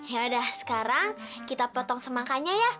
yaudah sekarang kita potong semangkanya ya